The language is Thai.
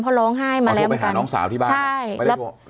เพราะร้องไห้มาแล้วกันเอาโทรไปหาน้องสาวที่บ้านใช่ไม่ได้โทร